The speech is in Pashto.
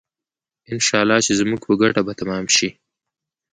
انشاالله چې زموږ په ګټه به تمام شي.